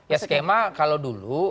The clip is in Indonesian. ya skema kalau dulu